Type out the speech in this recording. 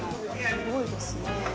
すごいですね。